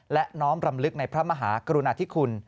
และน้อมรำลึกในพระมหากรุณาธิคุณ